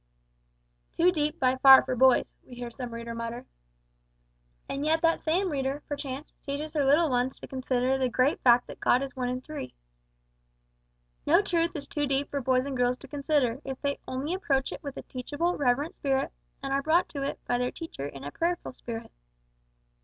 "Too deep by far for boys," we hear some reader mutter. And yet that same reader, perchance, teaches her little ones to consider the great fact that God is One in Three! No truth is too deep for boys and girls to consider, if they only approach it in a teachable, reverent spirit, and are brought to it by their teacher in a prayerful spirit.